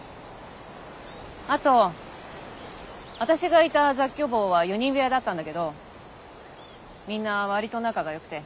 あと私がいた雑居房は４人部屋だったんだけどみんな割と仲がよくて。